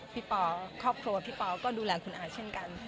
ปอครอบครัวพี่ปอก็ดูแลคุณอาเช่นกัน